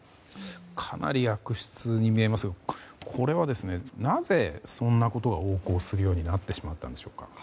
かなり悪質にみえますがなぜ、そんなことが横行するようになってしまったんでしょうか。